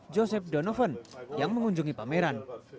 joseph donovan yang mengunjungi pameran